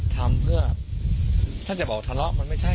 ทำเพื่อถ้าจะบอกทะเลาะมาเป็นสะสัน